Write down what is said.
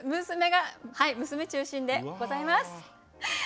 娘がはい娘中心でございます。